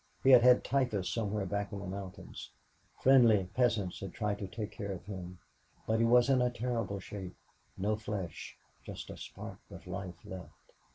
He had had typhus somewhere back in the mountains. Friendly peasants had tried to take care of him, but he was in a terrible shape no flesh just a spark of life left.